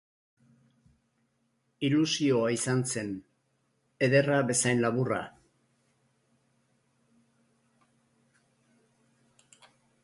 Ilusioa izan zen, ederra bezain laburra.